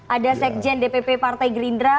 ada sekjen dpp partai gerindra